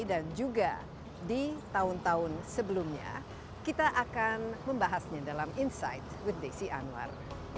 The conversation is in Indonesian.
dan juga di tahun tahun sebelumnya kita akan membahasnya dalam insight with desi anwar